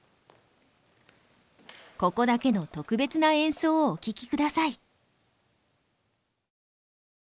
ここだけの特別な演奏をお聴きください。